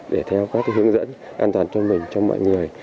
để theo các hướng dẫn an toàn cho mình cho mọi người